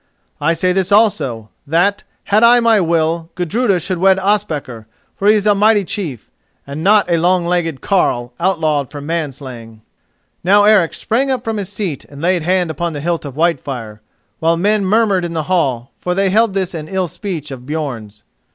And I say this also, that, had I my will, Gudruda should wed Ospakar: for he is a mighty chief, and not a long legged carle, outlawed for man slaying." Now Eric sprang from his seat and laid hand upon the hilt of Whitefire, while men murmured in the hall, for they held this an ill speech of Björn's.